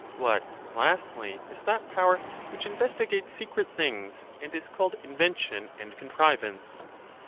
What, lastly, is that power which investigates secret things, and is called invention and contrivance?